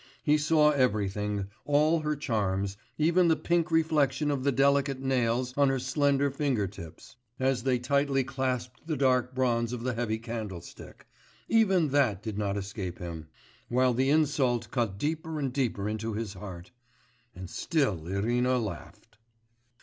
He saw everything, all her charms even the pink reflection of the delicate nails on her slender finger tips, as they tightly clasped the dark bronze of the heavy candlestick even that did not escape him ... while the insult cut deeper and deeper into his heart. And still Irina laughed.